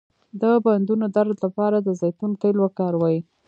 د بندونو درد لپاره د زیتون تېل وکاروئ